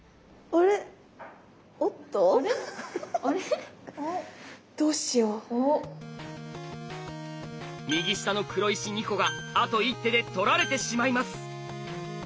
あれっ？右下の黒石２個があと一手で取られてしまいます。